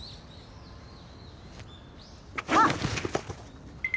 あっ。